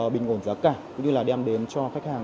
bình ổn giá cả cũng như là đem đến cho khách hàng